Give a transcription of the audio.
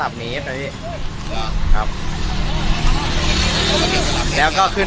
วันนี้เราจะมาจอดรถที่แรงละเห็นเป็น